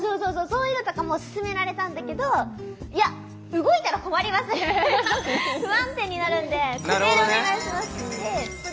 そういうのとかも勧められたんだけどいや動いたら困りますみたいな不安定になるんで固定でお願いしますって。